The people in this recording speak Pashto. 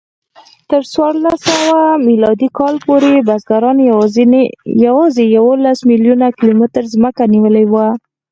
تر څوارلسسوه میلادي کال پورې بزګرانو یواځې یوولس میلیونه کیلومتره ځمکه نیولې وه.